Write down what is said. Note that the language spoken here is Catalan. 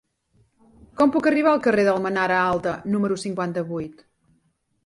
Com puc arribar al carrer d'Almenara Alta número cinquanta-vuit?